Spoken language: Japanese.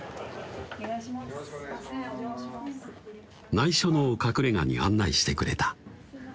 ないしょの隠れがに案内してくれた